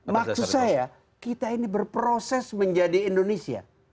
maksud saya kita ini berproses menjadi indonesia